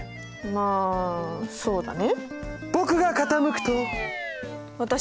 まあそうだね。